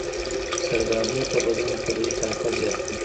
زردآلو د بدن طبیعي طاقت زیاتوي.